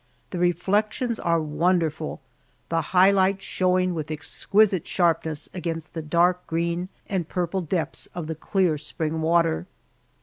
The reflections are wonderful, the high lights showing with exquisite sharpness against the dark green and purple depths of the clear, spring water.